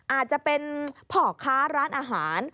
อาจจะเป็นพ่อค้าร้านอาหาร